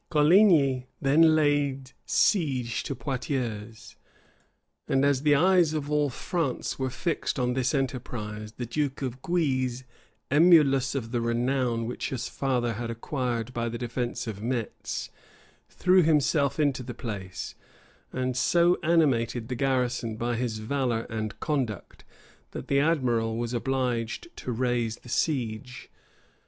Coligny then laid siege to Poietiers; and as the eyes of all France were fixed on this enterprise, the duke of Guise, emulous of the renown which his father had acquired by the defence of Metz, threw himself into the place, and so animated the garrison by his valor and conduct, that the admiral was obliged to raise the siege.